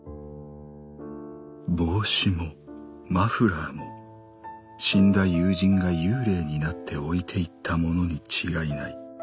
帽子もマフラーも死んだ友人が幽霊になって置いていったものに違いない。